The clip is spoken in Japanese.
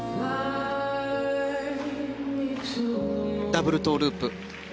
ダブルトウループ。